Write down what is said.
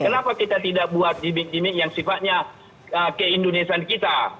karena gimmick gimmick itu bisa membuat gimmick gimmick yang sifatnya ke indonesiaan kita